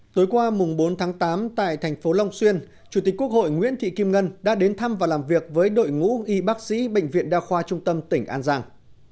tối qua bốn tháng tám tại thành phố long xuyên chủ tịch quốc hội nguyễn thị kim ngân đã đến thăm và làm việc với đội ngũ y bác sĩ bệnh viện đa khoa trung tâm tỉnh an giang